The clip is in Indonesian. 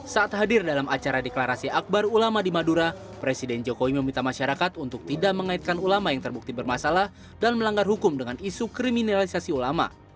saat hadir dalam acara deklarasi akbar ulama di madura presiden jokowi meminta masyarakat untuk tidak mengaitkan ulama yang terbukti bermasalah dan melanggar hukum dengan isu kriminalisasi ulama